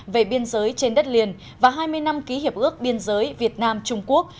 về biên giới trên đất liền và hai mươi năm ký hiệp ước biên giới việt nam trung quốc